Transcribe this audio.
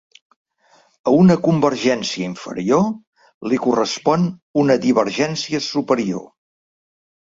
A una convergència inferior li correspon una divergència superior.